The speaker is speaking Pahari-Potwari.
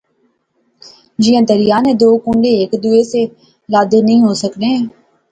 جیاں دریا نے دو کنڈے ہیک دوے سے لادے نئیں ہوئی سکنے